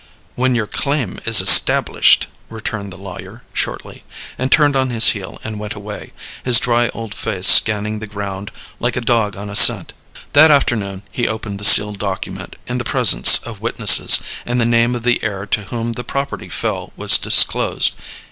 "When your claim is established," returned the lawyer, shortly, and turned on his heel and went away, his dry old face scanning the ground like a dog on a scent. That afternoon he opened the sealed document in the presence of witnesses, and the name of the heir to whom the property fell was disclosed.